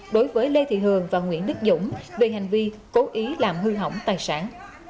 đối với lê thị hường và nguyễn đức dũng về hành vi cố ý làm hư hỏng tài sản